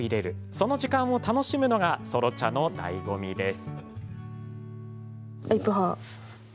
その時間を楽しむのがソロ茶のだいご味です。